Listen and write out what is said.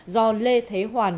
do lê thế hoàn